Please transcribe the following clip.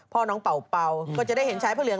น้องเป่าก็จะได้เห็นชายพระเหลือง